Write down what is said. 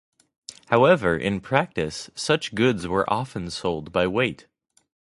However, in practice, such goods were often sold by weight.